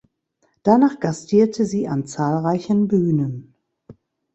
Danach gastierte sie an zahlreichen Bühnen.